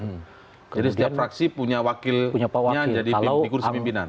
jadi setiap fraksi punya wakilnya jadi dikursi pimpinan